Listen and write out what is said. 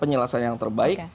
penyelesaian yang terbaik